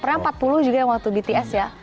pernah empat puluh juga yang waktu bts ya